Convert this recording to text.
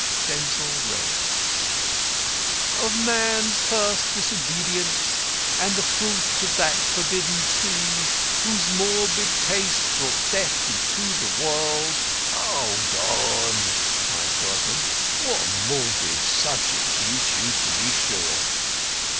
Denzil read: "Of man's first disobedience and the fruit Of that forbidden tree whose mortal taste Brought death into the world " "Hold on!" cried Grodman. "What morbid subjects you choose, to be sure!"